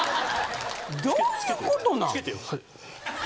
どういうことなん？